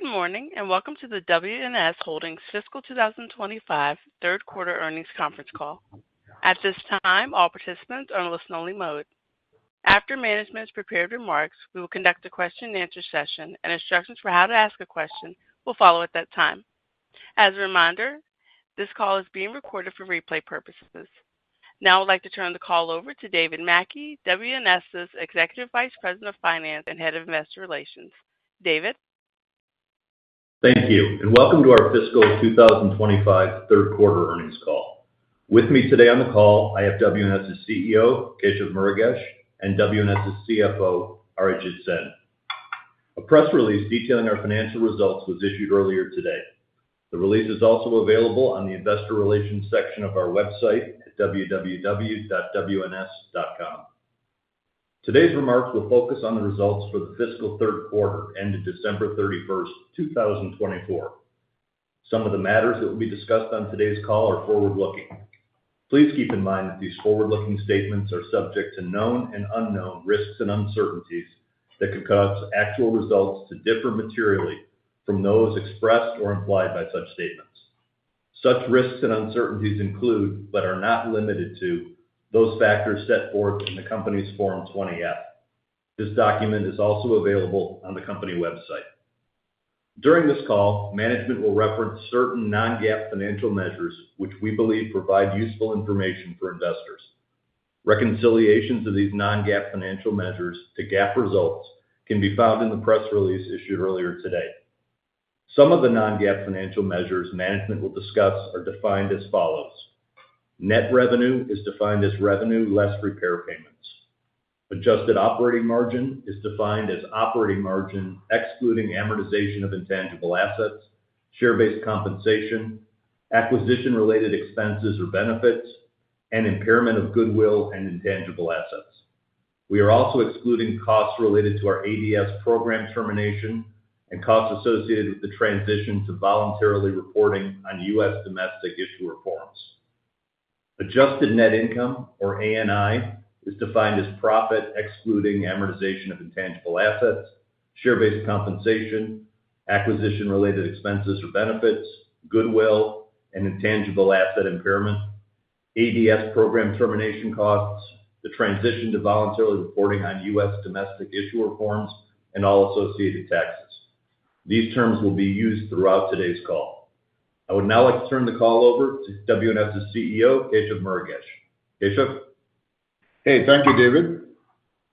Good morning and welcome to the WNS Holdings' fiscal 2025 third quarter earnings conference call. At this time, all participants are in listen-only mode. After management has prepared remarks, we will conduct a question-and-answer session, and instructions for how to ask a question will follow at that time. As a reminder, this call is being recorded for replay purposes. Now I'd like to turn the call over to David Mackey, WNS' Executive Vice President of Finance and Head of Investor Relations. David. Thank you, and welcome to our fiscal 2025 third quarter earnings call. With me today on the call, I have WNS' CEO, Keshav Murugesh, and WNS' CFO, Arijit Sen. A press release detailing our financial results was issued earlier today. The release is also available on the Investor Relations section of our website at www.wns.com. Today's remarks will focus on the results for the fiscal third quarter ended December 31st, 2024. Some of the matters that will be discussed on today's call are forward-looking. Please keep in mind that these forward-looking statements are subject to known and unknown risks and uncertainties that could cause actual results to differ materially from those expressed or implied by such statements. Such risks and uncertainties include, but are not limited to, those factors set forth in the company's Form 20-F. This document is also available on the company website. During this call, management will reference certain non-GAAP financial measures which we believe provide useful information for investors. Reconciliations of these non-GAAP financial measures to GAAP results can be found in the press release issued earlier today. Some of the non-GAAP financial measures management will discuss are defined as follows: Net revenue is defined as revenue less repair payments. Adjusted operating margin is defined as operating margin excluding amortization of intangible assets, share-based compensation, acquisition-related expenses or benefits, and impairment of goodwill and intangible assets. We are also excluding costs related to our ADS program termination and costs associated with the transition to voluntarily reporting on U.S. domestic issuer forms. Adjusted net income, or ANI, is defined as profit excluding amortization of intangible assets, share-based compensation, acquisition-related expenses or benefits, goodwill and intangible asset impairment, ADS program termination costs, the transition to voluntarily reporting on U.S. domestic issuer forms, and all associated taxes. These terms will be used throughout today's call. I would now like to turn the call over to WNS' CEO, Keshav Murugesh. Keshav. Hey, thank you, David.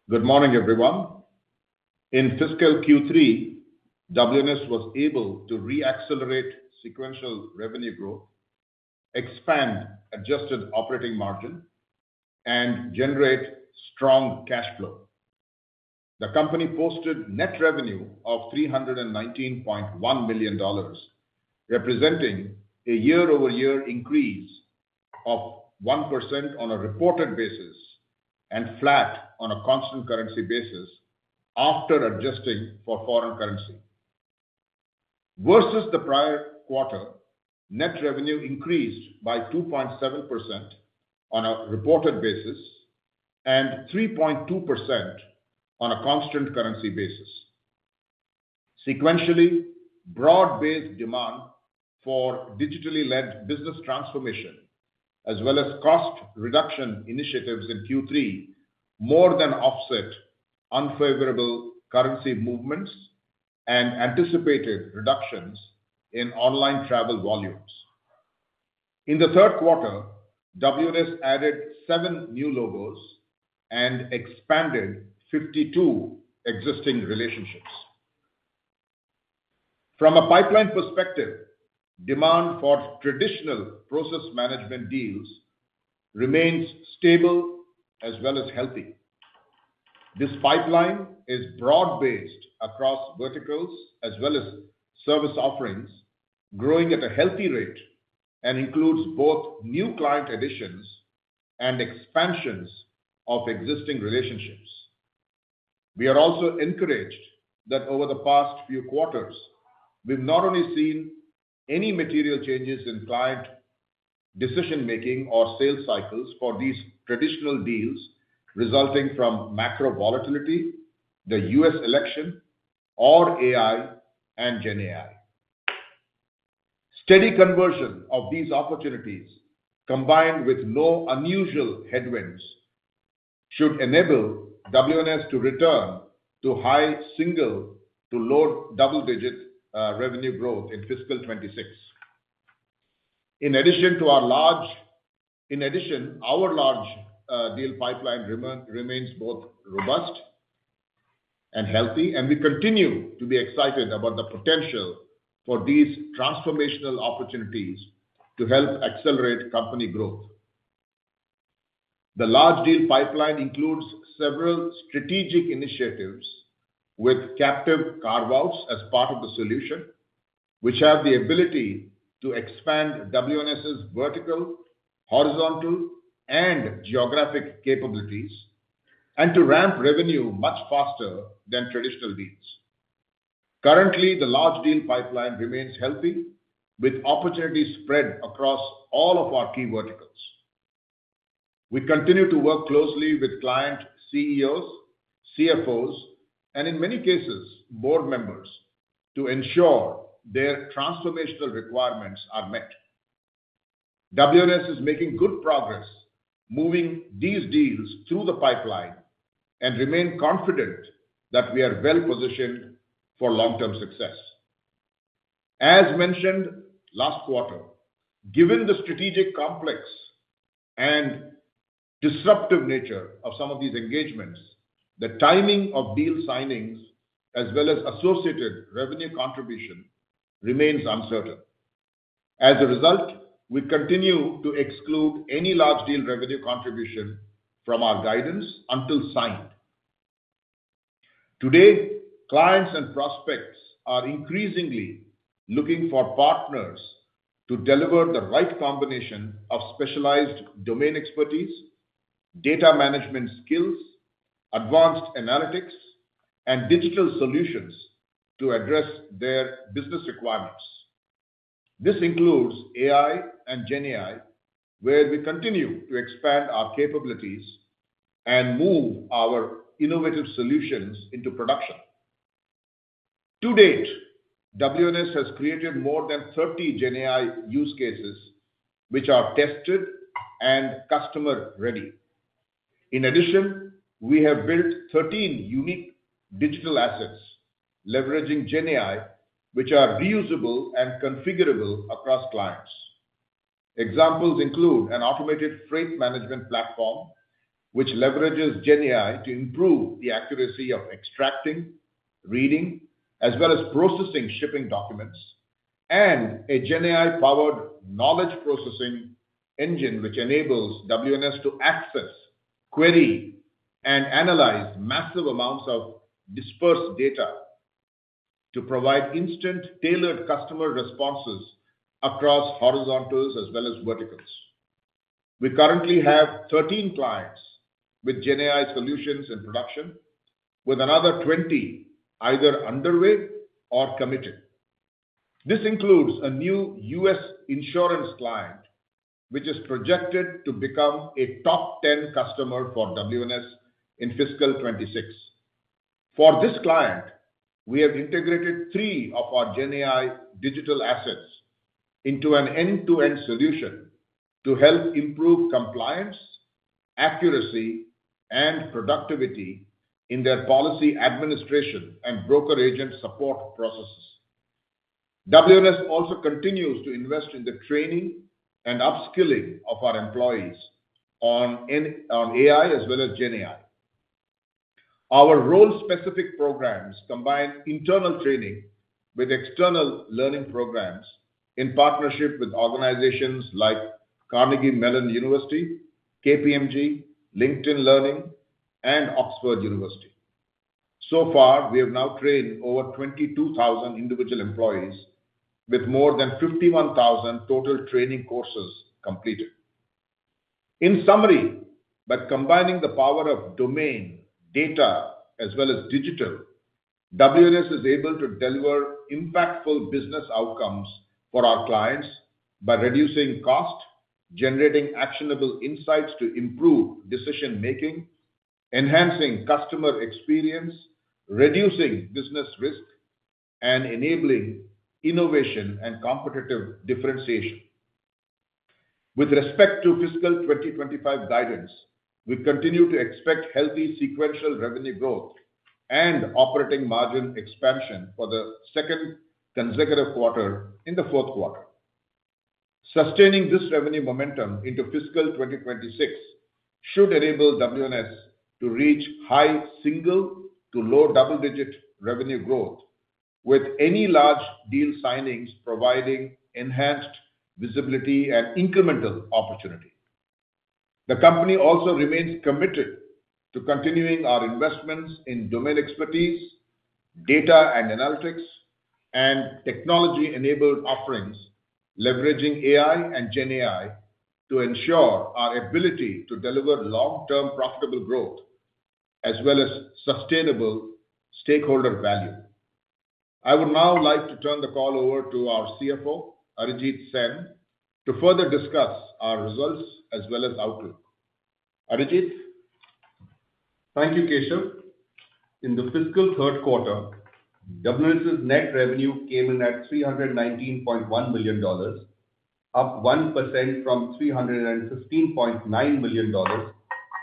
Good morning, everyone. In fiscal Q3, WNS was able to re-accelerate sequential revenue growth, expand adjusted operating margin, and generate strong cash flow. The company posted net revenue of $319.1 million, representing a year-over-year increase of 1% on a reported basis and flat on a constant currency basis after adjusting for foreign currency. Versus the prior quarter, net revenue increased by 2.7% on a reported basis and 3.2% on a constant currency basis. Sequentially, broad-based demand for digitally-led business transformation, as well as cost reduction initiatives in Q3, more than offset unfavorable currency movements and anticipated reductions in online travel volumes. In the third quarter, WNS added seven new logos and expanded 52 existing relationships. From a pipeline perspective, demand for traditional process management deals remains stable as well as healthy. This pipeline is broad-based across verticals as well as service offerings, growing at a healthy rate, and includes both new client additions and expansions of existing relationships. We are also encouraged that over the past few quarters, we've not only seen any material changes in client decision-making or sales cycles for these traditional deals resulting from macro volatility, the U.S. election, or AI and GenAI. Steady conversion of these opportunities, combined with no unusual headwinds, should enable WNS to return to high single to low double-digit revenue growth in fiscal 2026. In addition, our large deal pipeline remains both robust and healthy, and we continue to be excited about the potential for these transformational opportunities to help accelerate company growth. The large deal pipeline includes several strategic initiatives with captive carve-outs as part of the solution, which have the ability to expand WNS' vertical, horizontal, and geographic capabilities and to ramp revenue much faster than traditional deals. Currently, the large deal pipeline remains healthy, with opportunities spread across all of our key verticals. We continue to work closely with client CEOs, CFOs, and in many cases, board members to ensure their transformational requirements are met. WNS is making good progress moving these deals through the pipeline and remains confident that we are well-positioned for long-term success. As mentioned last quarter, given the strategic complex and disruptive nature of some of these engagements, the timing of deal signings as well as associated revenue contribution remains uncertain. As a result, we continue to exclude any large deal revenue contribution from our guidance until signed. Today, clients and prospects are increasingly looking for partners to deliver the right combination of specialized domain expertise, data management skills, advanced analytics, and digital solutions to address their business requirements. This includes AI and GenAI, where we continue to expand our capabilities and move our innovative solutions into production. To date, WNS has created more than 30 GenAI use cases, which are tested and customer-ready. In addition, we have built 13 unique digital assets leveraging GenAI, which are reusable and configurable across clients. Examples include an automated freight management platform, which leverages GenAI to improve the accuracy of extracting, reading, as well as processing shipping documents, and a GenAI-powered knowledge processing engine, which enables WNS to access, query, and analyze massive amounts of dispersed data to provide instant, tailored customer responses across horizontals as well as verticals. We currently have 13 clients with GenAI solutions in production, with another 20 either underway or committed. This includes a new U.S. insurance client, which is projected to become a top 10 customer for WNS in fiscal 2026. For this client, we have integrated three of our GenAI digital assets into an end-to-end solution to help improve compliance, accuracy, and productivity in their policy administration and broker agent support processes. WNS also continues to invest in the training and upskilling of our employees on AI as well as GenAI. Our role-specific programs combine internal training with external learning programs in partnership with organizations like Carnegie Mellon University, KPMG, LinkedIn Learning, and Oxford University. So far, we have now trained over 22,000 individual employees, with more than 51,000 total training courses completed. In summary, by combining the power of domain, data, as well as digital, WNS is able to deliver impactful business outcomes for our clients by reducing cost, generating actionable insights to improve decision-making, enhancing customer experience, reducing business risk, and enabling innovation and competitive differentiation. With respect to fiscal 2025 guidance, we continue to expect healthy sequential revenue growth and operating margin expansion for the second consecutive quarter in the fourth quarter. Sustaining this revenue momentum into fiscal 2026 should enable WNS to reach high single to low double-digit revenue growth, with any large deal signings providing enhanced visibility and incremental opportunity. The company also remains committed to continuing our investments in domain expertise, data and analytics, and technology-enabled offerings, leveraging AI and GenAI to ensure our ability to deliver long-term profitable growth as well as sustainable stakeholder value. I would now like to turn the call over to our CFO, Arijit Sen, to further discuss our results as well as outlook. Arijit. Thank you, Keshav. In the fiscal third quarter, WNS's net revenue came in at $319.1 million, up 1% from $315.9 million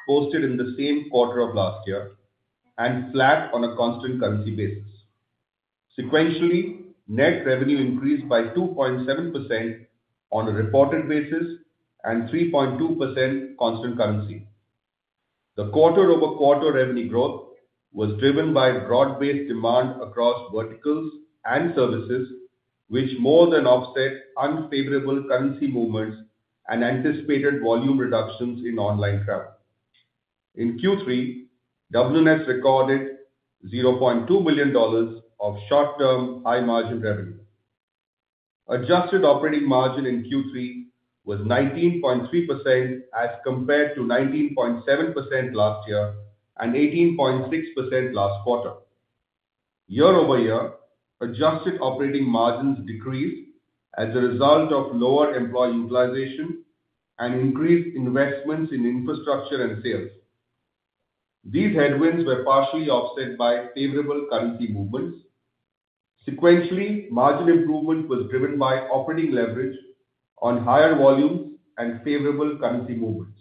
posted in the same quarter of last year, and flat on a constant currency basis. Sequentially, net revenue increased by 2.7% on a reported basis and 3.2% constant currency. The quarter-over-quarter revenue growth was driven by broad-based demand across verticals and services, which more than offset unfavorable currency movements and anticipated volume reductions in online travel. In Q3, WNS recorded $0.2 million of short-term high-margin revenue. Adjusted operating margin in Q3 was 19.3% as compared to 19.7% last year and 18.6% last quarter. Year-over-year, adjusted operating margins decreased as a result of lower employee utilization and increased investments in infrastructure and sales. These headwinds were partially offset by favorable currency movements. Sequentially, margin improvement was driven by operating leverage on higher volumes and favorable currency movements.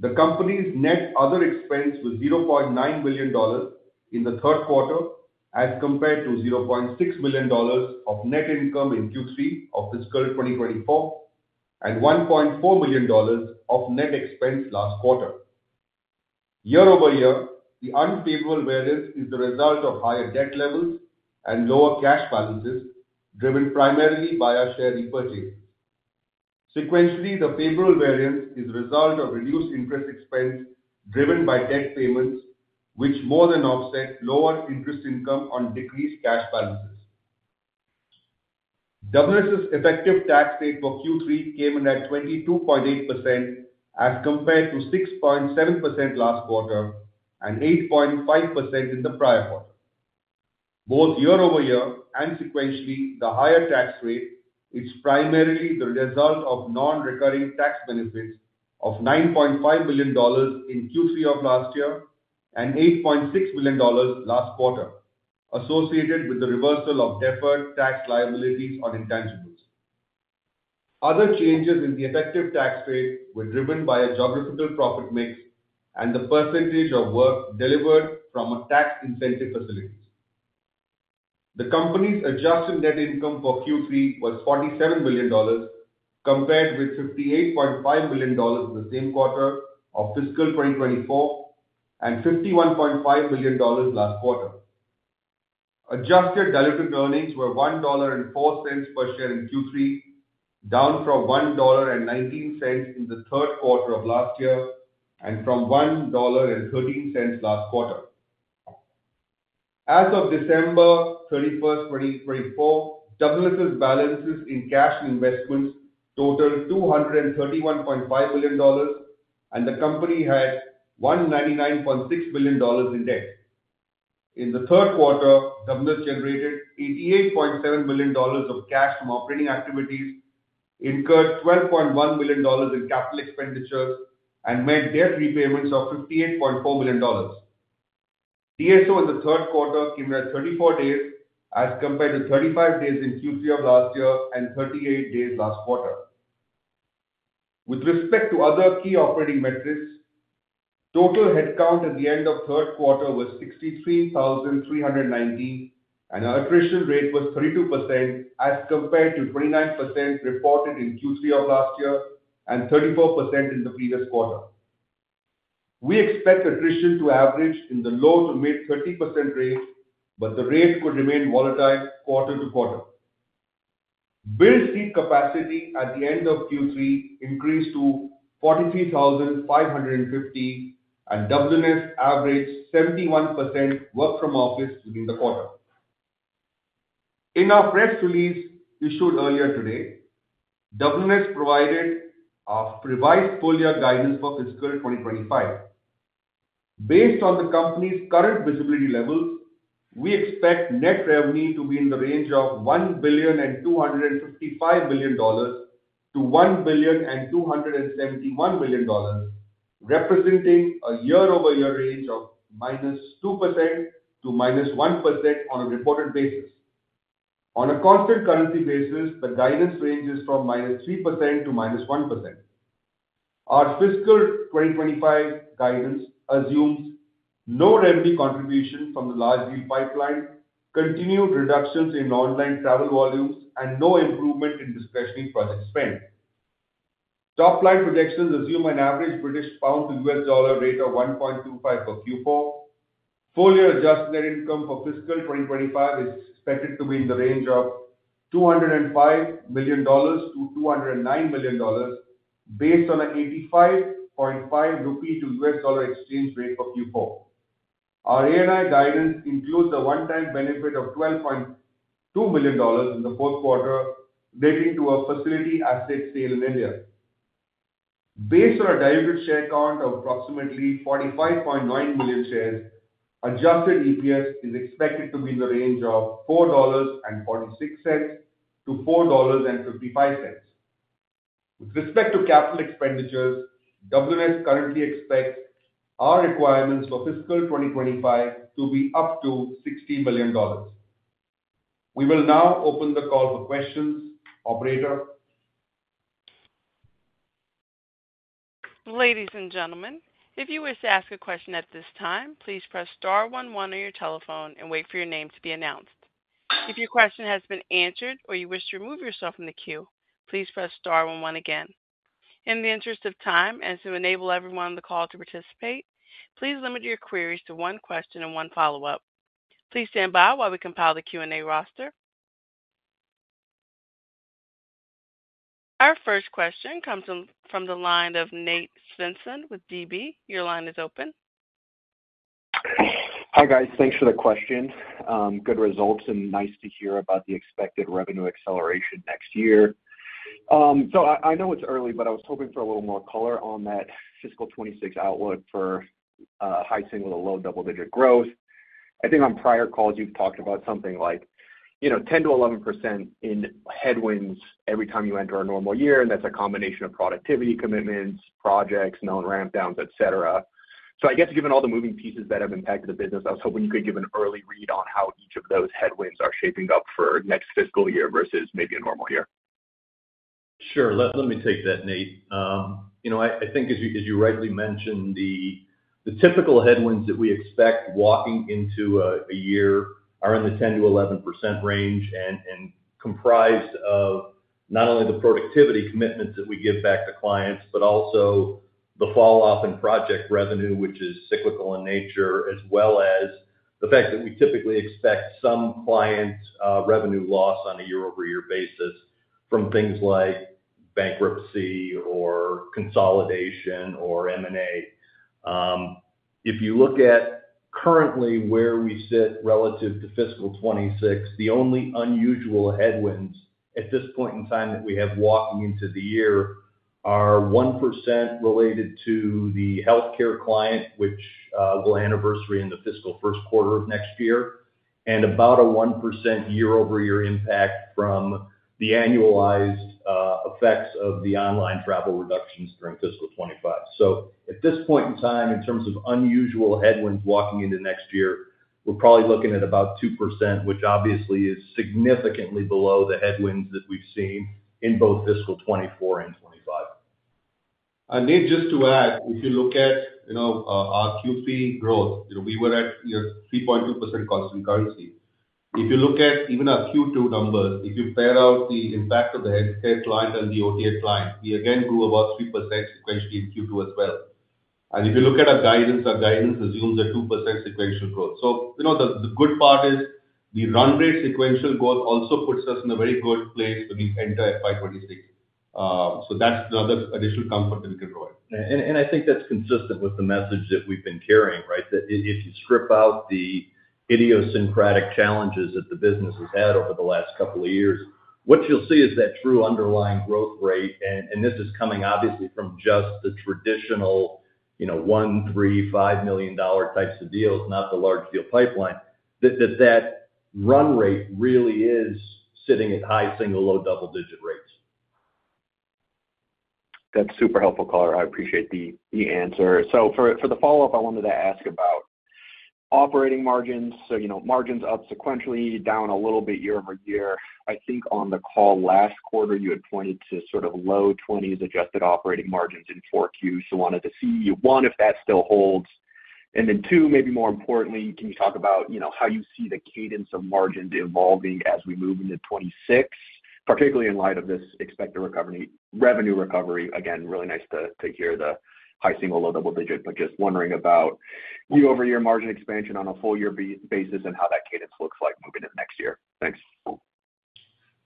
The company's net other expense was $0.9 million in the third quarter as compared to $0.6 million of net income in Q3 of fiscal 2024 and $1.4 million of net expense last quarter. Year-over-year, the unfavorable variance is the result of higher debt levels and lower cash balances, driven primarily by our share repurchases. Sequentially, the favorable variance is the result of reduced interest expense driven by debt payments, which more than offset lower interest income on decreased cash balances. WNS's effective tax rate for Q3 came in at 22.8% as compared to 6.7% last quarter and 8.5% in the prior quarter. Both year-over-year and sequentially, the higher tax rate. It's primarily the result of non-recurring tax benefits of $9.5 million in Q3 of last year and $8.6 million last quarter, associated with the reversal of deferred tax liabilities on intangibles. Other changes in the effective tax rate were driven by a geographical profit mix and the percentage of work delivered from tax incentive facilities. The company's adjusted net income for Q3 was $47 million compared with $58.5 million the same quarter of fiscal 2024 and $51.5 million last quarter. Adjusted diluted earnings were $1.04 per share in Q3, down from $1.19 in the third quarter of last year and from $1.13 last quarter. As of December 31st, 2024, WNS' balances in cash and investments totaled $231.5 million, and the company had $199.6 million in debt. In the third quarter, WNS generated $88.7 million of cash from operating activities, incurred $12.1 million in capital expenditures, and made debt repayments of $58.4 million. DSO in the third quarter came in at 34 days as compared to 35 days in Q3 of last year and 38 days last quarter. With respect to other key operating metrics, total headcount at the end of third quarter was 63,390, and attrition rate was 32% as compared to 29% reported in Q3 of last year and 34% in the previous quarter. We expect attrition to average in the low to mid 30% range, but the rate could remain volatile quarter to quarter. Billable seat capacity at the end of Q3 increased to 43,550, and WNS averaged 71% work-from-office during the quarter. In our press release issued earlier today, WNS provided a revised full-year guidance for fiscal 2025. Based on the company's current visibility levels, we expect net revenue to be in the range of $1.255 billion-$1.271 billion, representing a year-over-year range of -2% to -1% on a reported basis. On a constant currency basis, the guidance ranges from -3% to -1%. Our fiscal 2025 guidance assumes no revenue contribution from the large deal pipeline, continued reductions in online travel volumes, and no improvement in discretionary project spend. Top-line projections assume an average British pound to U.S. dollar rate of $1.25 per Q4. Full-year adjusted net income for fiscal 2025 is expected to be in the range of $205 million-$209 million based on an 85.5 rupee to U.S. dollar exchange rate for Q4. Our ANI guidance includes a one-time benefit of $12.2 million in the fourth quarter relating to a facility asset sale in India. Based on a diluted share count of approximately 45.9 million shares, adjusted EPS is expected to be in the range of $4.46-$4.55. With respect to capital expenditures, WNS currently expects our requirements for fiscal 2025 to be up to $60 million. We will now open the call for questions, operator. Ladies and gentlemen, if you wish to ask a question at this time, please press star one one on your telephone and wait for your name to be announced. If your question has been answered or you wish to remove yourself from the queue, please press star one one again. In the interest of time and to enable everyone on the call to participate, please limit your queries to one question and one follow-up. Please stand by while we compile the Q&A roster. Our first question comes from the line of Nate Svensson with DB. Your line is open. Hi, guys. Thanks for the question. Good results and nice to hear about the expected revenue acceleration next year. So I know it's early, but I was hoping for a little more color on that fiscal 2026 outlook for a high single to low double-digit growth. I think on prior calls, you've talked about something like 10%-11% in headwinds every time you enter a normal year, and that's a combination of productivity commitments, projects, known rampdowns, etc. So I guess given all the moving pieces that have impacted the business, I was hoping you could give an early read on how each of those headwinds are shaping up for next fiscal year versus maybe a normal year. Sure. Let me take that, Nate. I think, as you rightly mentioned, the typical headwinds that we expect walking into a year are in the 10%-11% range and comprised of not only the productivity commitments that we give back to clients, but also the falloff in project revenue, which is cyclical in nature, as well as the fact that we typically expect some client revenue loss on a year-over-year basis from things like bankruptcy or consolidation or M&A. If you look at currently where we sit relative to fiscal 2026, the only unusual headwinds at this point in time that we have walking into the year are 1% related to the healthcare client, which will anniversary in the fiscal first quarter of next year, and about a 1% year-over-year impact from the annualized effects of the online travel reductions during fiscal 2025. At this point in time, in terms of unusual headwinds walking into next year, we're probably looking at about 2%, which obviously is significantly below the headwinds that we've seen in both fiscal 2024 and 2025. And just to add, if you look at our Q3 growth, we were at 3.2% constant currency. If you look at even our Q2 numbers, if you pare out the impact of the healthcare client and the OTA client, we again grew about 3% sequentially in Q2 as well. And if you look at our guidance, our guidance assumes a 2% sequential growth. So the good part is the run rate sequential growth also puts us in a very good place when we enter FY 2026. So that's another additional comfort that we can provide. I think that's consistent with the message that we've been carrying, right? That if you strip out the idiosyncratic challenges that the business has had over the last couple of years, what you'll see is that true underlying growth rate. This is coming obviously from just the traditional $1 million, $3 million, $5 million types of deals, not the large deal pipeline, that run rate really is sitting at high single low double-digit rates. That's super helpful color. I appreciate the answer. So for the follow-up, I wanted to ask about operating margins. So margins up sequentially, down a little bit year over year. I think on the call last quarter, you had pointed to sort of low 20s adjusted operating margins in 4Q. So I wanted to see, one, if that still holds. And then two, maybe more importantly, can you talk about how you see the cadence of margins evolving as we move into 2026, particularly in light of this expected revenue recovery? Again, really nice to hear the high single low double-digit, but just wondering about year-over-year margin expansion on a full-year basis and how that cadence looks like moving into next year. Thanks.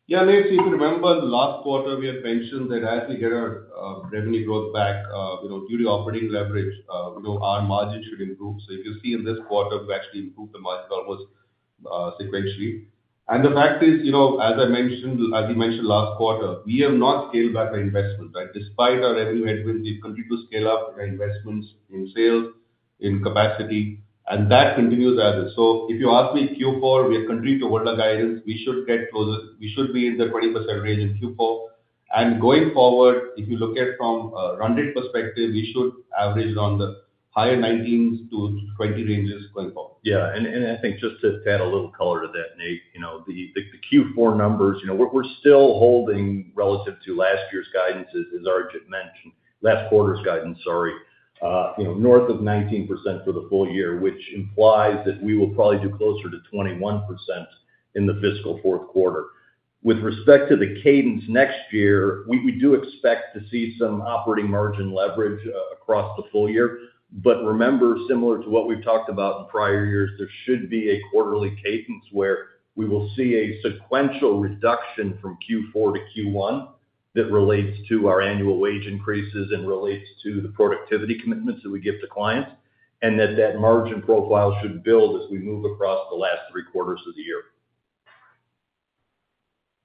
Yeah, Nate. So if you remember, last quarter, we had mentioned that as we get our revenue growth back due to operating leverage, our margin should improve. So if you see in this quarter, we've actually improved the margin almost sequentially. And the fact is, as I mentioned, as you mentioned last quarter, we have not scaled back our investments, right? Despite our revenue headwinds, we've continued to scale up our investments in sales, in capacity, and that continues as is. So if you ask me, Q4, we are continuing to hold our guidance. We should get closer. We should be in the 20% range in Q4. And going forward, if you look at it from a run rate perspective, we should average around the higher 19s to 20 ranges going forward. Yeah, and I think just to add a little color to that, Nate. The Q4 numbers, we're still holding relative to last year's guidance, as Arijit mentioned, last quarter's guidance, sorry, north of 19% for the full year, which implies that we will probably do closer to 21% in the fiscal fourth quarter. With respect to the cadence next year, we do expect to see some operating margin leverage across the full year. But remember, similar to what we've talked about in prior years, there should be a quarterly cadence where we will see a sequential reduction from Q4 to Q1 that relates to our annual wage increases and relates to the productivity commitments that we give to clients, and that that margin profile should build as we move across the last three quarters of the year.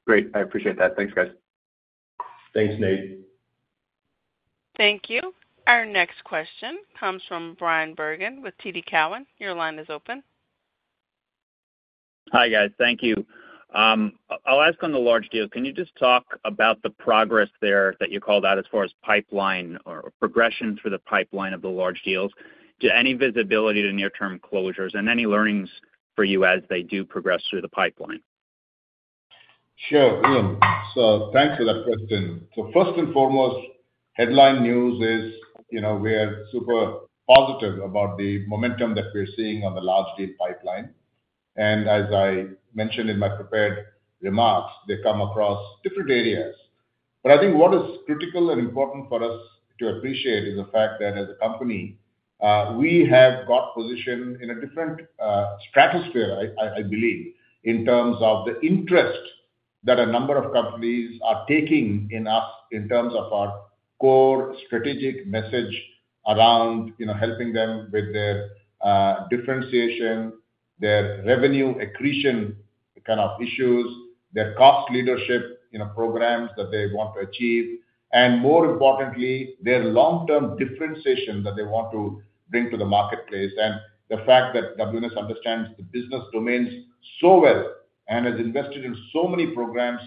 Great. I appreciate that. Thanks, guys. Thanks, Nate. Thank you. Our next question comes from Bryan Bergin with TD Cowen. Your line is open. Hi, guys. Thank you. I'll ask on the large deal. Can you just talk about the progress there that you called out as far as pipeline or progression through the pipeline of the large deals? Do you have any visibility to near-term closures and any learnings for you as they do progress through the pipeline? Sure. So thanks for that question. So first and foremost, headline news is we are super positive about the momentum that we're seeing on the large deal pipeline. And as I mentioned in my prepared remarks, they come across different areas. But I think what is critical and important for us to appreciate is the fact that as a company, we have got positioned in a different stratosphere, I believe, in terms of the interest that a number of companies are taking in us in terms of our core strategic message around helping them with their differentiation, their revenue accretion kind of issues, their cost leadership programs that they want to achieve, and more importantly, their long-term differentiation that they want to bring to the marketplace. The fact that WNS understands the business domains so well and has invested in so many programs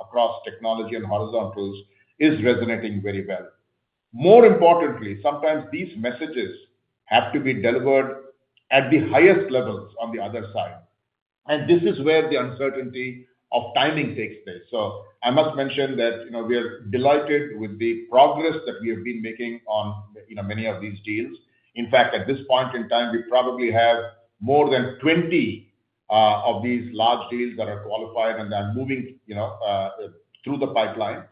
across technology and horizontals is resonating very well. More importantly, sometimes these messages have to be delivered at the highest levels on the other side. This is where the uncertainty of timing takes place. I must mention that we are delighted with the progress that we have been making on many of these deals. In fact, at this point in time, we probably have more than 20 of these large deals that are qualified and that are moving through the pipeline.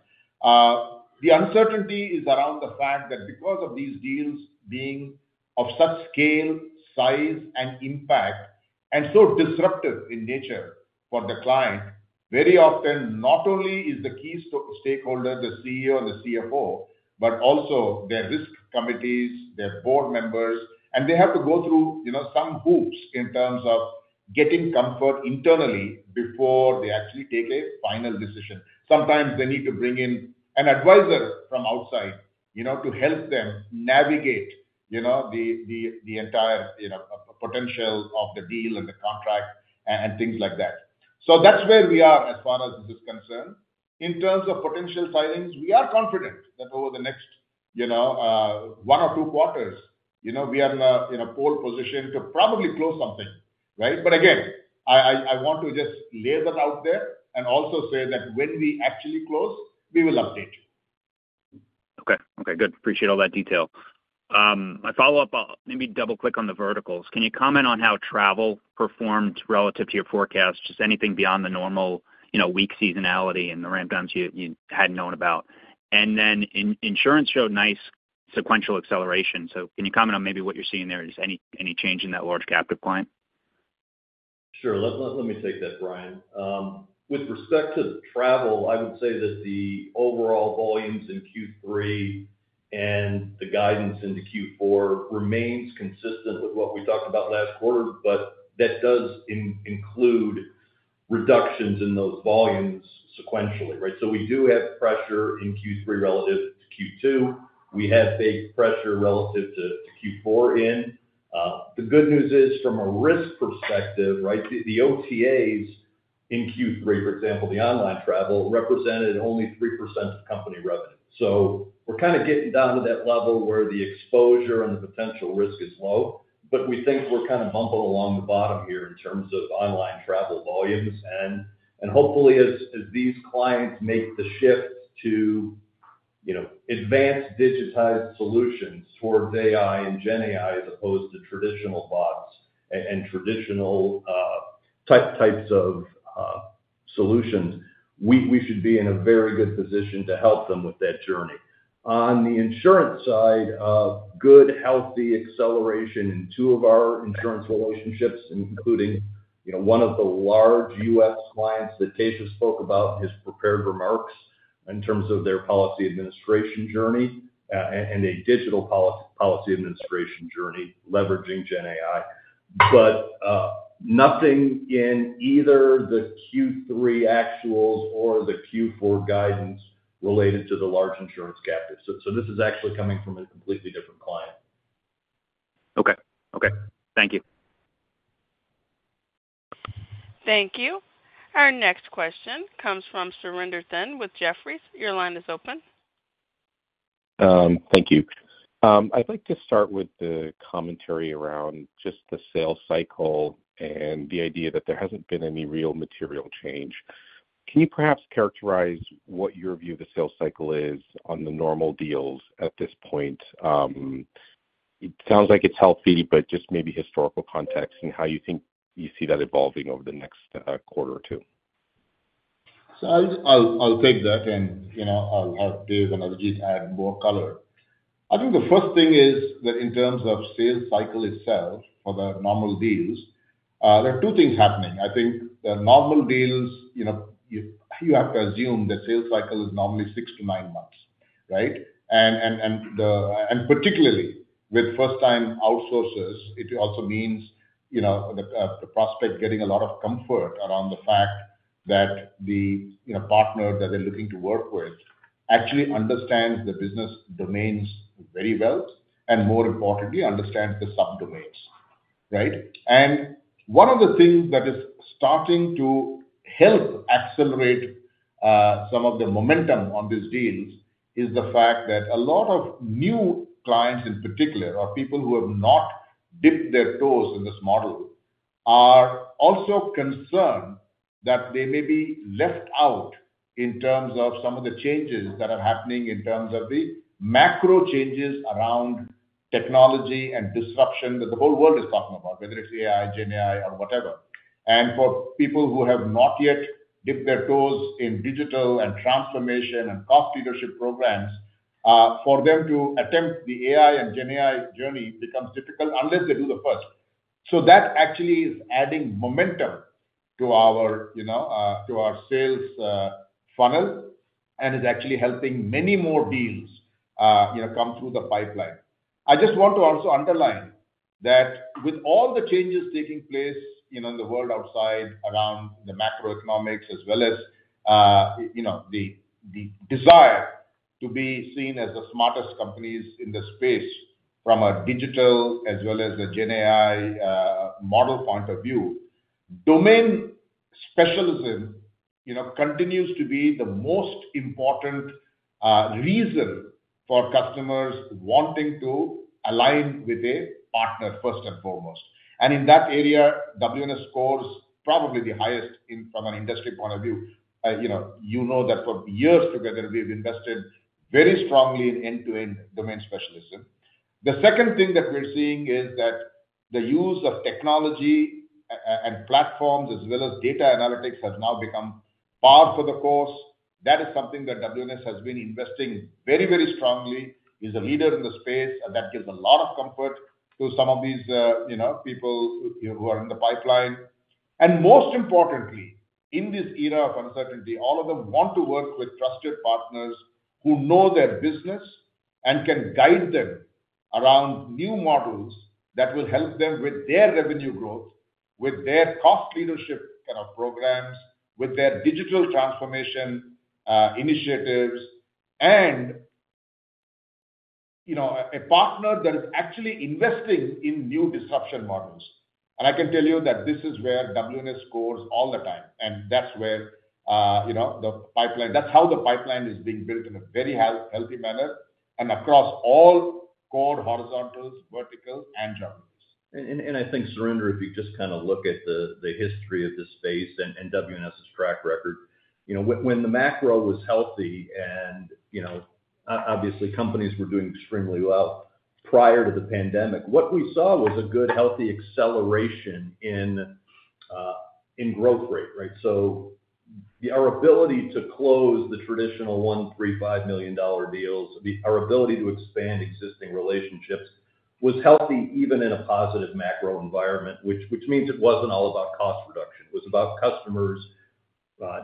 The uncertainty is around the fact that because of these deals being of such scale, size, and impact, and so disruptive in nature for the client, very often not only is the key stakeholder, the CEO and the CFO, but also their risk committees, their board members, and they have to go through some hoops in terms of getting comfort internally before they actually take a final decision. Sometimes they need to bring in an advisor from outside to help them navigate the entire potential of the deal and the contract and things like that. So that's where we are as far as this is concerned. In terms of potential signings, we are confident that over the next one or two quarters, we are in a pole position to probably close something, right? But again, I want to just lay that out there and also say that when we actually close, we will update you. Okay. Good. Appreciate all that detail. My follow-up, I'll maybe double-click on the verticals. Can you comment on how travel performed relative to your forecast? Just anything beyond the normal weak seasonality and the rampdowns you hadn't known about. And then insurance showed nice sequential acceleration. So can you comment on maybe what you're seeing there? Just any change in that large captive client? Sure. Let me take that, Bryan. With respect to travel, I would say that the overall volumes in Q3 and the guidance into Q4 remains consistent with what we talked about last quarter, but that does include reductions in those volumes sequentially, right? So we do have pressure in Q3 relative to Q2. We have big pressure relative to Q4 in. The good news is from a risk perspective, right, the OTAs in Q3, for example, the online travel represented only 3% of company revenue. So we're kind of getting down to that level where the exposure and the potential risk is low, but we think we're kind of bumping along the bottom here in terms of online travel volumes. And hopefully, as these clients make the shift to advanced digitized solutions towards AI and GenAI as opposed to traditional bots and traditional types of solutions, we should be in a very good position to help them with that journey. On the insurance side, good, healthy acceleration in two of our insurance relationships, including one of the large U.S. clients that Keshav spoke about in his prepared remarks in terms of their policy administration journey and a digital policy administration journey leveraging GenAI. But nothing in either the Q3 actuals or the Q4 guidance related to the large insurance captive. So this is actually coming from a completely different client. Okay. Okay. Thank you. Thank you. Our next question comes from Surinder Thind with Jefferies. Your line is open. Thank you. I'd like to start with the commentary around just the sales cycle and the idea that there hasn't been any real material change. Can you perhaps characterize what your view of the sales cycle is on the normal deals at this point? It sounds like it's healthy, but just maybe historical context and how you think you see that evolving over the next quarter or two. So I'll take that and I'll have Dave and Arijit add more color. I think the first thing is that in terms of sales cycle itself for the normal deals, there are two things happening. I think the normal deals, you have to assume the sales cycle is normally six to nine months, right? And particularly with first-time outsourcers, it also means the prospect getting a lot of comfort around the fact that the partner that they're looking to work with actually understands the business domains very well and, more importantly, understands the subdomains, right? One of the things that is starting to help accelerate some of the momentum on these deals is the fact that a lot of new clients in particular, or people who have not dipped their toes in this model, are also concerned that they may be left out in terms of some of the changes that are happening in terms of the macro changes around technology and disruption that the whole world is talking about, whether it's AI, GenAI, or whatever. For people who have not yet dipped their toes in digital and transformation and cost leadership programs, for them to attempt the AI and GenAI journey becomes difficult unless they do the first. That actually is adding momentum to our sales funnel and is actually helping many more deals come through the pipeline. I just want to also underline that with all the changes taking place in the world outside around the macroeconomics as well as the desire to be seen as the smartest companies in the space from a digital as well as a GenAI model point of view, domain specialism continues to be the most important reason for customers wanting to align with a partner first and foremost. And in that area, WNS scores probably the highest from an industry point of view. You know that for years together, we have invested very strongly in end-to-end domain specialism. The second thing that we're seeing is that the use of technology and platforms as well as data analytics has now become par for the course. That is something that WNS has been investing very, very strongly. It's a leader in the space, and that gives a lot of comfort to some of these people who are in the pipeline. And most importantly, in this era of uncertainty, all of them want to work with trusted partners who know their business and can guide them around new models that will help them with their revenue growth, with their cost leadership kind of programs, with their digital transformation initiatives, and a partner that is actually investing in new disruption models. And I can tell you that this is where WNS scores all the time, and that's where the pipeline—that's how the pipeline is being built in a very healthy manner and across all core horizontals, verticals, and geographies. I think, Surinder, if you just kind of look at the history of this space and WNS' track record, when the macro was healthy and obviously companies were doing extremely well prior to the pandemic, what we saw was a good, healthy acceleration in growth rate, right? So our ability to close the traditional $1 million, $3 million, $5 million deals, our ability to expand existing relationships was healthy even in a positive macro environment, which means it wasn't all about cost reduction. It was about customers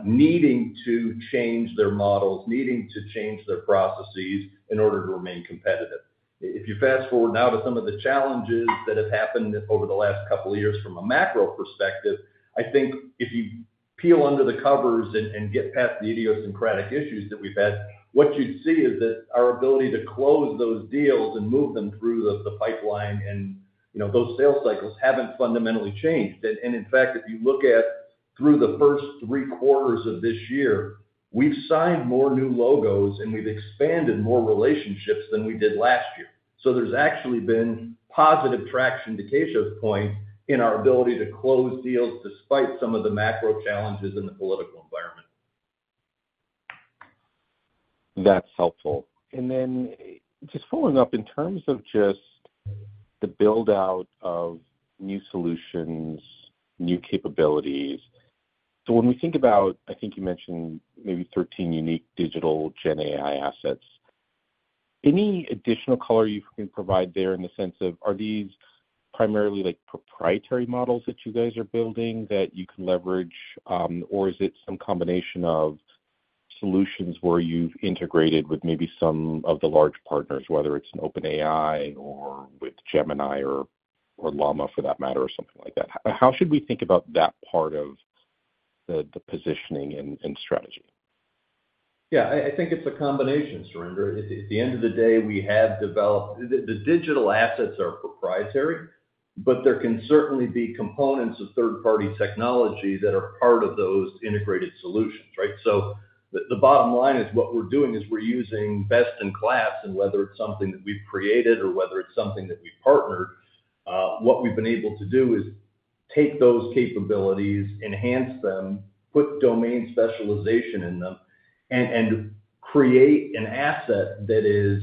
needing to change their models, needing to change their processes in order to remain competitive. If you fast forward now to some of the challenges that have happened over the last couple of years from a macro perspective, I think if you peel under the covers and get past the idiosyncratic issues that we've had, what you'd see is that our ability to close those deals and move them through the pipeline and those sales cycles haven't fundamentally changed. And in fact, if you look at through the first three quarters of this year, we've signed more new logos, and we've expanded more relationships than we did last year. So there's actually been positive traction, to Keshav's point, in our ability to close deals despite some of the macro challenges in the political environment. That's helpful. And then just following up in terms of just the build-out of new solutions, new capabilities. So when we think about, I think you mentioned maybe 13 unique digital GenAI assets. Any additional color you can provide there in the sense of, are these primarily proprietary models that you guys are building that you can leverage, or is it some combination of solutions where you've integrated with maybe some of the large partners, whether it's an OpenAI or with Gemini or Llama for that matter or something like that? How should we think about that part of the positioning and strategy? Yeah. I think it's a combination, Surinder. At the end of the day, we have developed. The digital assets are proprietary, but there can certainly be components of third-party technology that are part of those integrated solutions, right? So the bottom line is what we're doing is we're using best in class, and whether it's something that we've created or whether it's something that we've partnered, what we've been able to do is take those capabilities, enhance them, put domain specialization in them, and create an asset that is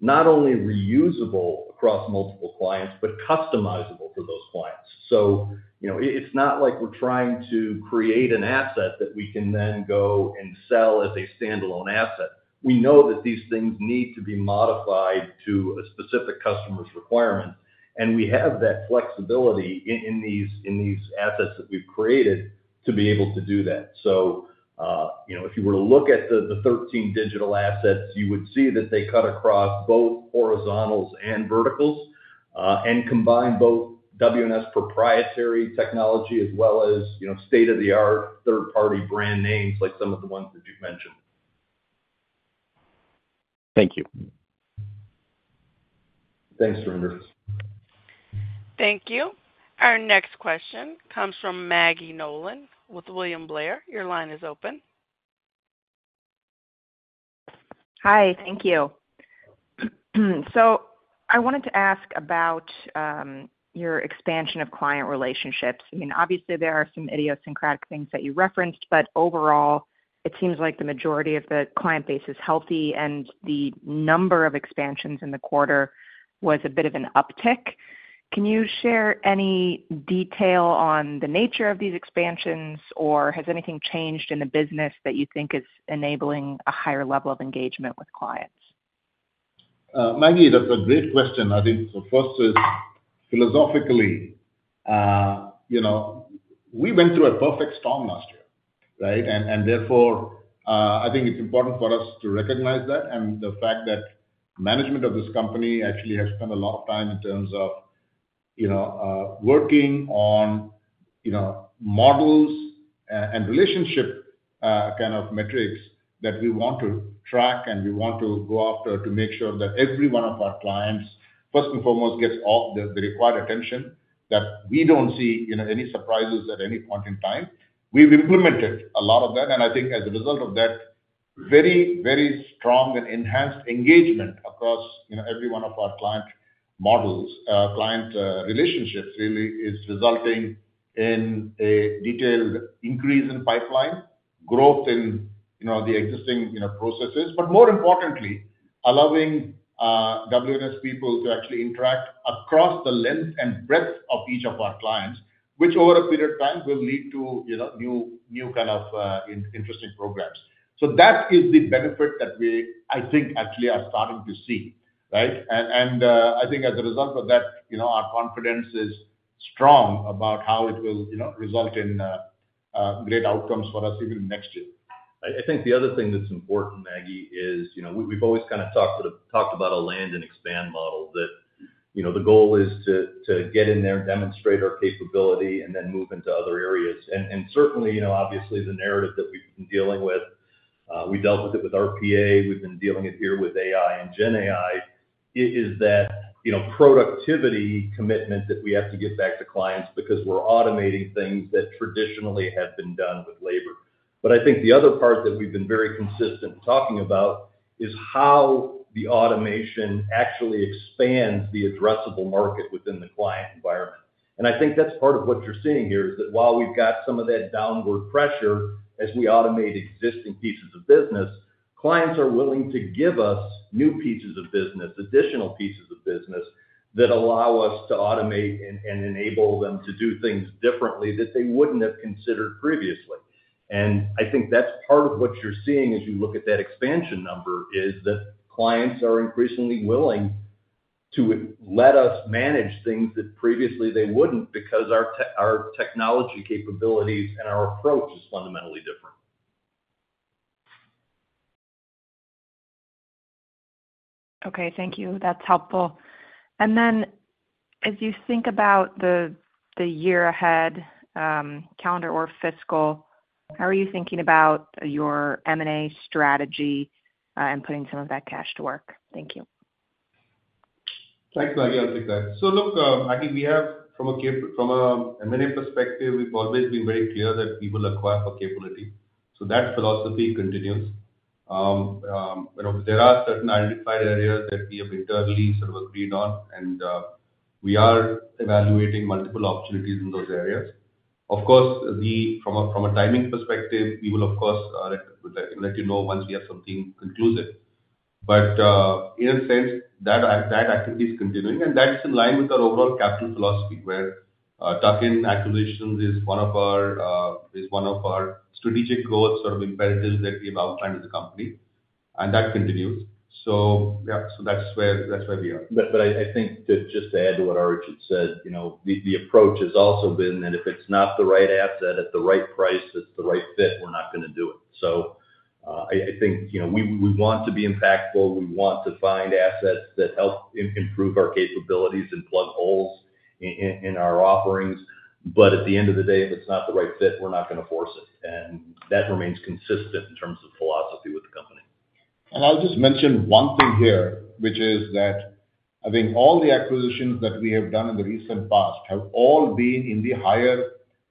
not only reusable across multiple clients, but customizable for those clients. So it's not like we're trying to create an asset that we can then go and sell as a standalone asset. We know that these things need to be modified to a specific customer's requirement, and we have that flexibility in these assets that we've created to be able to do that. So if you were to look at the 13 digital assets, you would see that they cut across both horizontals and verticals and combine both WNS proprietary technology as well as state-of-the-art third-party brand names like some of the ones that you've mentioned. Thank you. Thanks, Surinder. Thank you. Our next question comes from Maggie Nolan with William Blair. Your line is open. Hi. Thank you. So I wanted to ask about your expansion of client relationships. I mean, obviously, there are some idiosyncratic things that you referenced, but overall, it seems like the majority of the client base is healthy, and the number of expansions in the quarter was a bit of an uptick. Can you share any detail on the nature of these expansions, or has anything changed in the business that you think is enabling a higher level of engagement with clients? Maggie, that's a great question. I think the first is philosophically, we went through a perfect storm last year, right? And therefore, I think it's important for us to recognize that and the fact that management of this company actually has spent a lot of time in terms of working on models and relationship kind of metrics that we want to track and we want to go after to make sure that every one of our clients, first and foremost, gets all the required attention that we don't see any surprises at any point in time. We've implemented a lot of that, and I think as a result of that, very, very strong and enhanced engagement across every one of our client models, client relationships really is resulting in a detailed increase in pipeline, growth in the existing processes, but more importantly, allowing WNS people to actually interact across the length and breadth of each of our clients, which over a period of time will lead to new kind of interesting programs. So that is the benefit that we, I think, actually are starting to see, right? And I think as a result of that, our confidence is strong about how it will result in great outcomes for us even next year. I think the other thing that's important, Maggie, is we've always kind of talked about a land and expand model that the goal is to get in there, demonstrate our capability, and then move into other areas. Certainly, obviously, the narrative that we've been dealing with, we dealt with it with RPA. We've been dealing with it here with AI and GenAI, is that productivity commitment that we have to give back to clients because we're automating things that traditionally have been done with labor. I think the other part that we've been very consistent talking about is how the automation actually expands the addressable market within the client environment. And I think that's part of what you're seeing here is that while we've got some of that downward pressure as we automate existing pieces of business, clients are willing to give us new pieces of business, additional pieces of business that allow us to automate and enable them to do things differently that they wouldn't have considered previously. And I think that's part of what you're seeing as you look at that expansion number is that clients are increasingly willing to let us manage things that previously they wouldn't because our technology capabilities and our approach is fundamentally different. Okay. Thank you. That's helpful. And then as you think about the year ahead calendar or fiscal, how are you thinking about your M&A strategy and putting some of that cash to work? Thank you. Thanks, Maggie. I'll take that. So look, Maggie, we have from a M&A perspective, we've always been very clear that we will acquire for capability. So that philosophy continues. There are certain identified areas that we have internally sort of agreed on, and we are evaluating multiple opportunities in those areas. Of course, from a timing perspective, we will, of course, let you know once we have something conclusive. But in a sense, that activity is continuing, and that's in line with our overall capital philosophy where tuck-in acquisitions is one of our strategic goals, sort of imperatives that we have outlined as a company. And that continues. So yeah, so that's where we are. But I think just to add to what Arijit said, the approach has also been that if it's not the right asset at the right price, it's the right fit, we're not going to do it. So I think we want to be impactful. We want to find assets that help improve our capabilities and plug holes in our offerings. But at the end of the day, if it's not the right fit, we're not going to force it. And that remains consistent in terms of philosophy with the company. I'll just mention one thing here, which is that I think all the acquisitions that we have done in the recent past have all been in the higher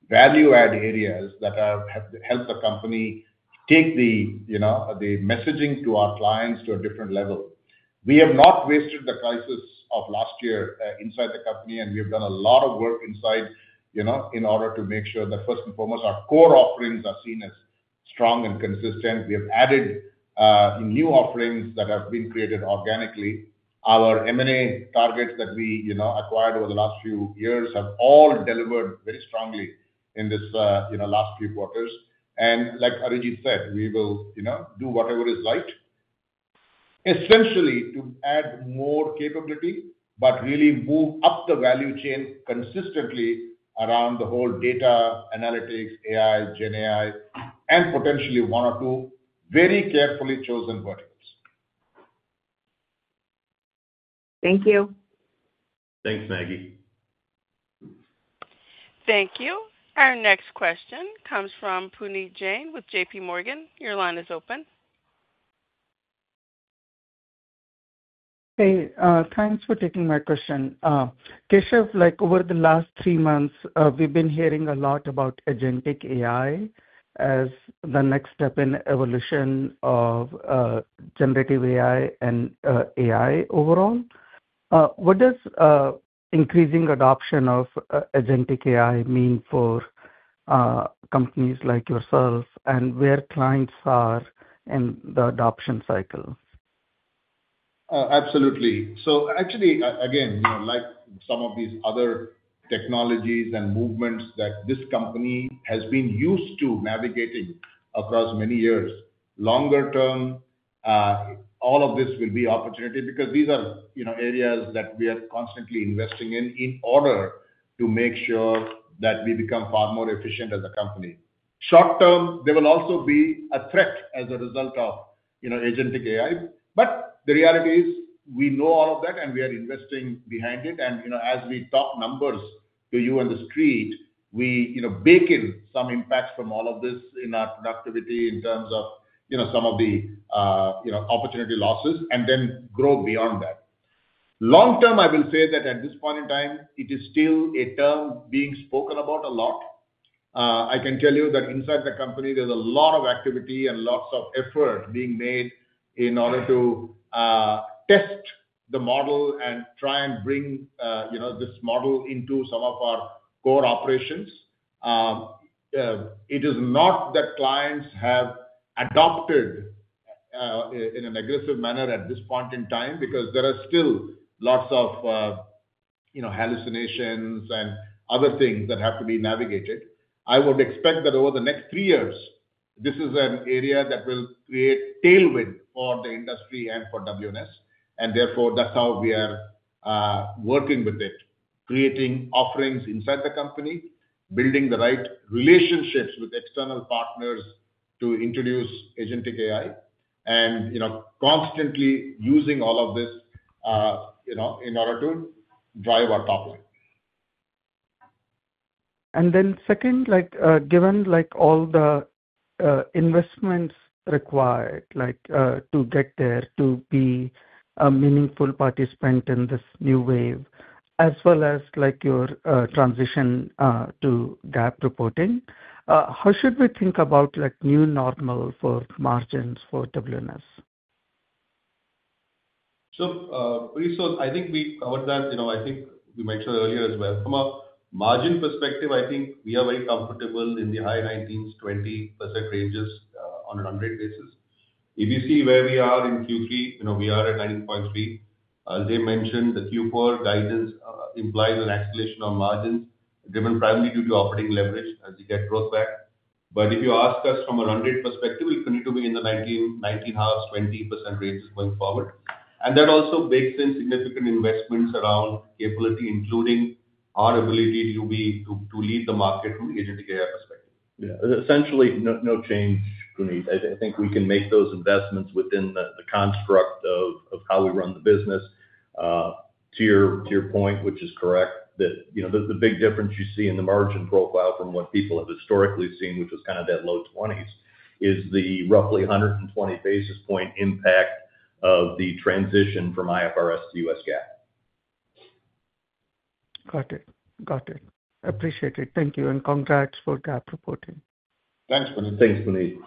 value-add areas that have helped the company take the messaging to our clients to a different level. We have not wasted the crisis of last year inside the company, and we have done a lot of work inside in order to make sure that first and foremost, our core offerings are seen as strong and consistent. We have added new offerings that have been created organically. Our M&A targets that we acquired over the last few years have all delivered very strongly in this last few quarters. And like Arijit said, we will do whatever is right, essentially to add more capability, but really move up the value chain consistently around the whole data, analytics, AI, GenAI, and potentially one or two very carefully chosen verticals. Thank you. Thanks, Maggie. Thank you. Our next question comes from Puneet Jain with JPMorgan. Your line is open. Hey, thanks for taking my question. Over the last three months, we've been hearing a lot about agentic AI as the next step in evolution of generative AI and AI overall. What does increasing adoption of agentic AI mean for companies like yourself and where clients are in the adoption cycle? Absolutely. So actually, again, like some of these other technologies and movements that this company has been used to navigating across many years, longer term, all of this will be opportunity because these are areas that we are constantly investing in in order to make sure that we become far more efficient as a company. Short term, there will also be a threat as a result of agentic AI. But the reality is we know all of that, and we are investing behind it. And as we talk numbers to you on the street, we bake in some impacts from all of this in our productivity in terms of some of the opportunity losses and then grow beyond that. Long term, I will say that at this point in time, it is still a term being spoken about a lot. I can tell you that inside the company, there's a lot of activity and lots of effort being made in order to test the model and try and bring this model into some of our core operations. It is not that clients have adopted in an aggressive manner at this point in time because there are still lots of hallucinations and other things that have to be navigated. I would expect that over the next three years, this is an area that will create tailwind for the industry and for WNS. And therefore, that's how we are working with it, creating offerings inside the company, building the right relationships with external partners to introduce agentic AI, and constantly using all of this in order to drive our top line. And then second, given all the investments required to get there to be a meaningful participant in this new wave, as well as your transition to GAAP reporting, how should we think about new normal for margins for WNS? I think we covered that. I think we mentioned earlier as well. From a margin perspective, I think we are very comfortable in the high 19%-20% ranges on a run-rate basis. Utilization, where we are in Q3, we are at 90.3%. As they mentioned, the Q4 guidance implies an acceleration on margins driven primarily due to operating leverage as you get growth back. But if you ask us from a run-rate perspective, we'll continue to be in the 19%, 19.5%, 20% ranges going forward. That also bakes in significant investments around capability, including our ability to lead the market from the agentic AI perspective. Yeah. Essentially, no change, Puneet. I think we can make those investments within the construct of how we run the business. To your point, which is correct, that the big difference you see in the margin profile from what people have historically seen, which was kind of that low 20s, is the roughly 120 basis point impact of the transition from IFRS to U.S. GAAP. Got it. Got it. Appreciate it. Thank you. And congrats for GAAP reporting. Thanks, Puneet.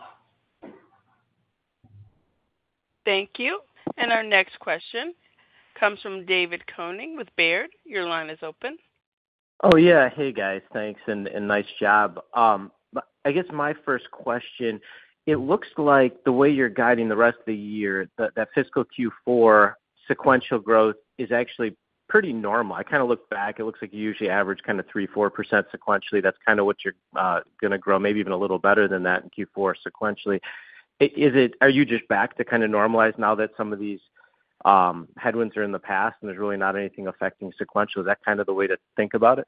Thank you. Our next question comes from David Koning with Baird. Your line is open. Oh, yeah. Hey, guys. Thanks. And nice job. I guess my first question, it looks like the way you're guiding the rest of the year, that fiscal Q4 sequential growth is actually pretty normal. I kind of looked back. It looks like you usually average kind of 3-4% sequentially. That's kind of what you're going to grow, maybe even a little better than that in Q4 sequentially. Are you just back to kind of normalize now that some of these headwinds are in the past and there's really not anything affecting sequentially? Is that kind of the way to think about it?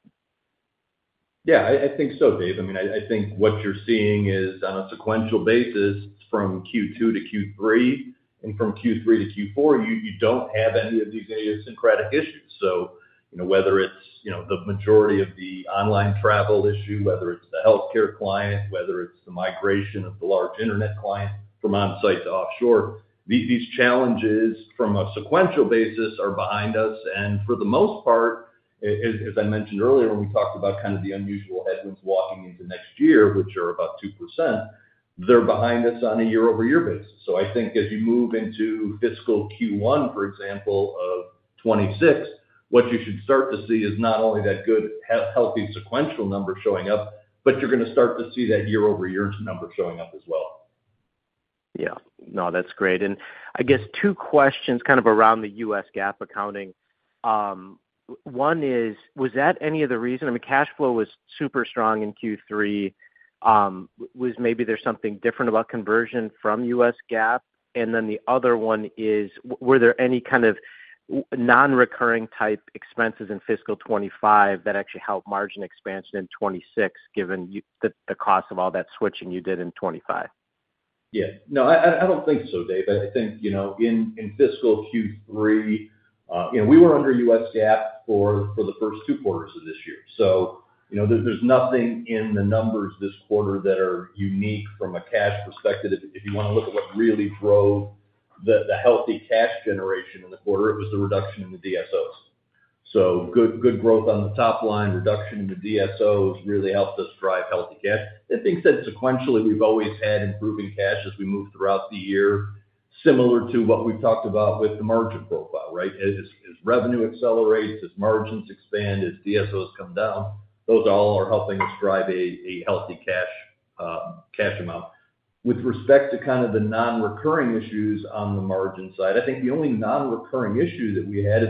Yeah, I think so, Dave. I mean, I think what you're seeing is on a sequential basis from Q2 to Q3 and from Q3 to Q4, you don't have any of these idiosyncratic issues. So whether it's the majority of the online travel issue, whether it's the healthcare client, whether it's the migration of the large internet client from on-site to offshore, these challenges from a sequential basis are behind us. And for the most part, as I mentioned earlier when we talked about kind of the unusual headwinds walking into next year, which are about 2%, they're behind us on a year-over-year basis. So I think as you move into fiscal Q1, for example, of 2026, what you should start to see is not only that good, healthy sequential number showing up, but you're going to start to see that year-over-year number showing up as well. Yeah. No, that's great, and I guess two questions kind of around the U.S. GAAP accounting. One is, was that any of the reason? I mean, cash flow was super strong in Q3. Was maybe there something different about conversion from U.S. GAAP? And then the other one is, were there any kind of non-recurring type expenses in fiscal 2025 that actually helped margin expansion in 2026 given the cost of all that switching you did in 2025? Yeah. No, I don't think so, Dave. I think in fiscal Q3, we were under U.S. GAAP for the first two quarters of this year. So there's nothing in the numbers this quarter that are unique from a cash perspective. If you want to look at what really drove the healthy cash generation in the quarter, it was the reduction in the DSOs. So good growth on the top line, reduction in the DSOs really helped us drive healthy cash. That being said, sequentially, we've always had improving cash as we move throughout the year, similar to what we've talked about with the margin profile, right? As revenue accelerates, as margins expand, as DSOs come down, those all are helping us drive a healthy cash amount. With respect to kind of the non-recurring issues on the margin side, I think the only non-recurring issue that we had is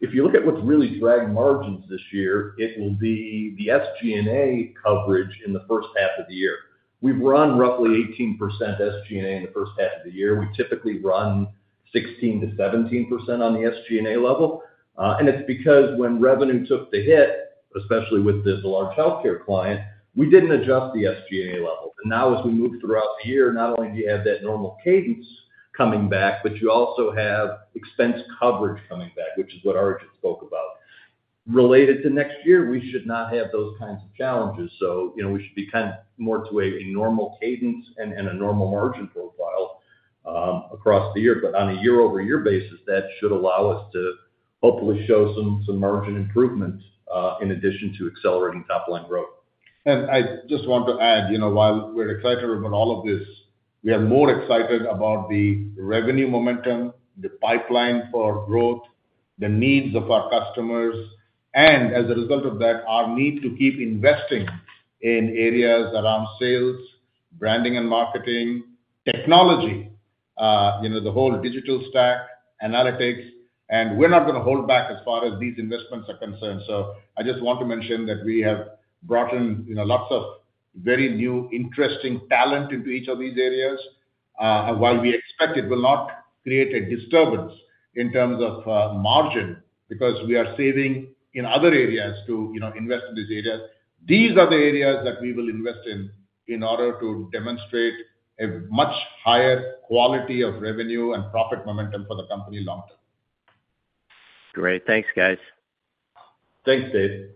if you look at what's really dragged margins this year, it will be the SG&A coverage in the first half of the year. We've run roughly 18% SG&A in the first half of the year. We typically run 16%-17% on the SG&A level. And it's because when revenue took the hit, especially with the large healthcare client, we didn't adjust the SG&A level. And now, as we move throughout the year, not only do you have that normal cadence coming back, but you also have expense coverage coming back, which is what Arijit spoke about. Related to next year, we should not have those kinds of challenges. We should be kind of more to a normal cadence and a normal margin profile across the year. On a year-over-year basis, that should allow us to hopefully show some margin improvement in addition to accelerating top-line growth. And I just want to add, while we're excited about all of this, we are more excited about the revenue momentum, the pipeline for growth, the needs of our customers. And as a result of that, our need to keep investing in areas around sales, branding, and marketing, technology, the whole digital stack, analytics. And we're not going to hold back as far as these investments are concerned. So I just want to mention that we have brought in lots of very new, interesting talent into each of these areas. While we expect it will not create a disturbance in terms of margin because we are saving in other areas to invest in these areas, these are the areas that we will invest in in order to demonstrate a much higher quality of revenue and profit momentum for the company long term. Great. Thanks, guys. Thanks, Dave.